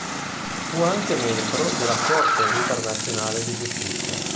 Fu anche membro della Corte internazionale di giustizia.